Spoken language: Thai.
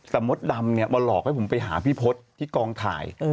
สมมติเดิมเนี่ยลองหลอกให้ผมไปหาพี่พลัทที่กล้องถ่าย